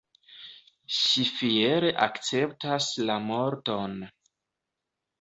Ŝi fiere akceptas la morton.